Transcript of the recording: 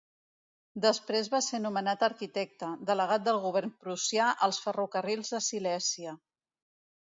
Després va ser nomenat arquitecte, delegat del govern prussià als ferrocarrils de Silèsia.